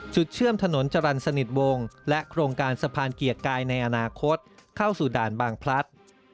เชื่อมถนนจรรย์สนิทวงและโครงการสะพานเกียรติกายในอนาคตเข้าสู่ด่านบางพลัด